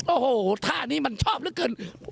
โอ้โหท่านี้มันชอบเหลือเกิน